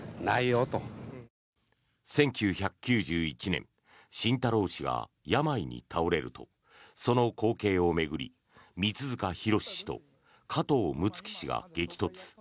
１９９１年晋太郎氏が病に倒れるとその後継を巡り、三塚博氏と加藤六月氏が激突。